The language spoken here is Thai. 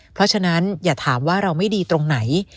เพราะฉะนั้นอย่าถามว่าเราไม่ดีตรงไหน